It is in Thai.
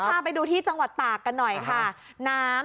พาไปดูที่จังหวัดตากกันหน่อยค่ะน้ำ